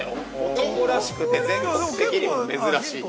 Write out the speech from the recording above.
◆男らしくて全国的にも珍しい。